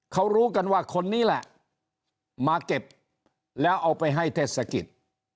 เขารู้กันว่าคนนี้แหละมาเก็บแล้วเอาไปให้เทศกิจ